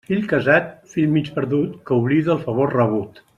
Fill casat, fill mig perdut, que oblida el favor rebut.